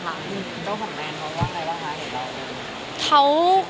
เจ้าของแมนเขาว่าอะไรว่ามากหรือเปล่า